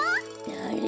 だれ？